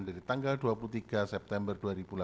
dari tanggal dua puluh tiga september dua ribu delapan belas